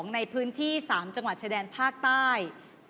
ในพื้นที่๓จังหวัดชายแดนภาคใต้